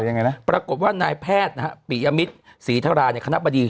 ยังไงนะปรากฏว่านายแพทย์นะฮะปิยมิตรศรีธราเนี่ยคณะบดี